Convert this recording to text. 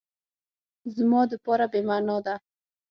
زما دپاره بی معنا ده